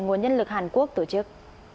nguồn nhân lực hàn quốc tổ chức